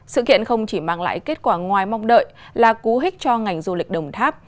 sự kiện không chỉ mang lại kết quả ngoài mong đợi là cú hích cho ngành du lịch đồng tháp